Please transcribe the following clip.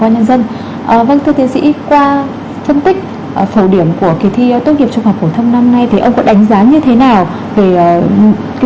nhận xét một cách gọi là khái quán nhất